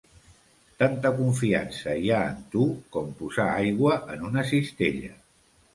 Tanta confiança hi ha en tu, com posar aigua en una cistella.